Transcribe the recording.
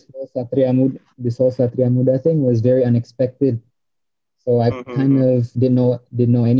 jadi ini ini patriamuda ini patriamuda itu sangat tidak terang